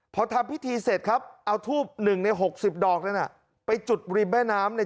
พอทำพิธีเสร็จครับเอาทูบ๑ใน๖๐ดอกนั้นไปจุดริมแม่น้ำใน